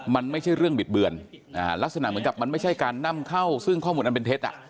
มันไม่ใช่เรื่องบิดเบือนลักษณะเหมือนกับมันไม่ใช่การนำเข้าซึ่งข้อมูลอันเป็นเท็จ